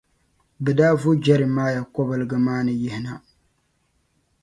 bɛ daa vo Jeremiah kɔbiliga maa ni yihina.